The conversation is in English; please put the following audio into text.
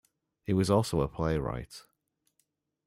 He was also a playwright.